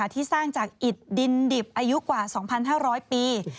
ที่สร้างจากอิดดินดิบอายุกว่า๒๕๐๐ปี